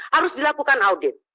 harus dilakukan audit